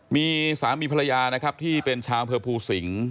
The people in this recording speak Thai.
มีสามีภรรยานะครับที่เป็นชาวอำเภอภูสิงศ์